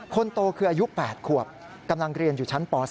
คนโตคืออายุ๘ขวบกำลังเรียนอยู่ชั้นป๔